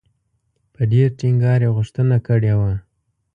په ډېر ټینګار یې غوښتنه کړې وه.